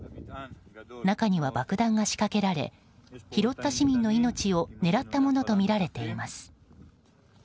中には爆弾が仕掛けられ拾った市民の命を狙ったものとみられています。